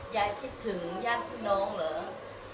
ยายคิดถึงยากผู้น้องเหรอ